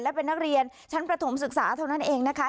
และเป็นนักเรียนชั้นประถมศึกษาเท่านั้นเองนะคะ